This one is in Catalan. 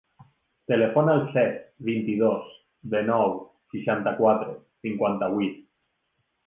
Telefona al set, vint-i-dos, dinou, seixanta-quatre, cinquanta-vuit.